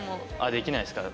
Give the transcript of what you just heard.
できないですか。